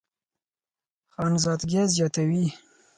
خانزادګۍ زياتوي